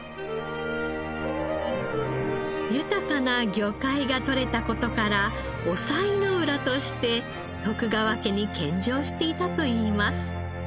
豊かな魚介が取れた事から御菜浦として徳川家に献上していたといいます。